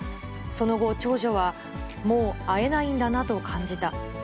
その後、長女は、もう会えないんだなと感じた。